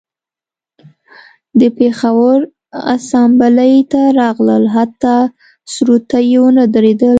و د پیښور اسامبلۍ ته راغلل حتی سرود ته یې ونه دریدل